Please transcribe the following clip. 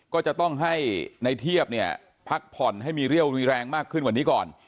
ก็จะต้องให้ในเทียบเนี่ยพักผ่อนให้มีเรี่ยวมีแรงมากขึ้นกว่านี้ก่อน